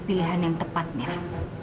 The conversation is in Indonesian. pilihan yang tepat meera